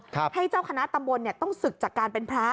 ให้เจ้าคณะตำบลเนี่ยต้องศึกจากการเป็นพระ